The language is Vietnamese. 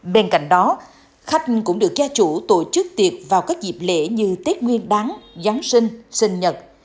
bên cạnh đó khách cũng được gia chủ tổ chức tiệc vào các dịp lễ như tết nguyên đáng giáng sinh sinh nhật